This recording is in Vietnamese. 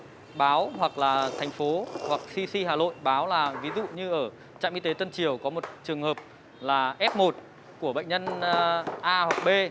khi trạm y tế báo hoặc là thành phố hoặc cc hà lội báo là ví dụ như ở trạm y tế tân triều có một trường hợp là f một của bệnh nhân a hoặc b